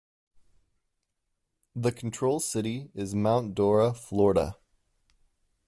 The control city is Mount Dora, Florida.